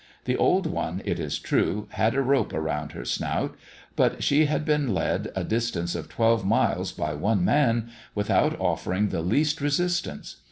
The old one, it is true, had a rope round her snout, but she had been led a distance of twelve miles by one man without offering the least resistance.